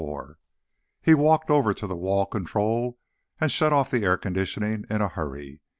4 He walked over to the wall control and shut off the air conditioning in a hurry.